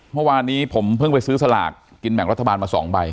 เมื่อวานนี้ผมเพิ่งไปซื้อสลากกินแบ่งรัฐบาลมา๒ใบ